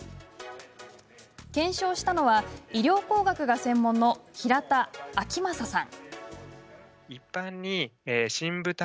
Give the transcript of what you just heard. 検証したのは医療工学が専門の平田晃正さん。